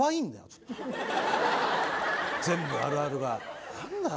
ちょっと全部あるあるが何だよ